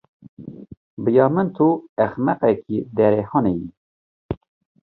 Bi ya min tu ehmeqekî derê hanê yî.